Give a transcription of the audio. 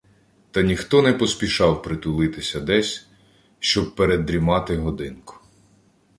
Та ніхто не поспішав притулитися десь, щоб передрімати годинку.